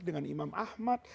dengan imam ahmad